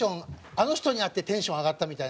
あの人に会ってテンション上がったみたいな人。